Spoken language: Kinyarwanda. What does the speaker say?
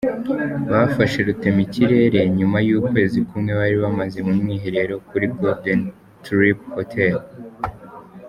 Bafashe rutemikirere nyuma y’ukwezi kumwe bari bamaze mu mwiherero kuri Golden Tulip Hotel.